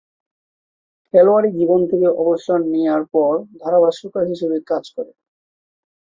খেলোয়াড়ী জীবন থেকে অবসর নেয়ার পর ধারাভাষ্যকার হিসেবে কাজ করেন।